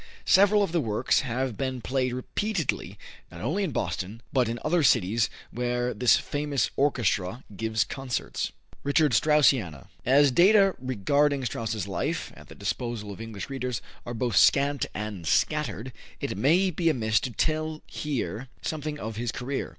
Several of the works have been played repeatedly not only in Boston, but in other cities where this famous orchestra gives concerts. Richard Straussiana. As data regarding Strauss's life, at the disposal of English readers, are both scant and scattered, it may not be amiss to tell here something of his career.